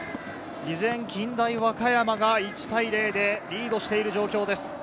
依然、近大和歌山が１対０でリードしている状況です。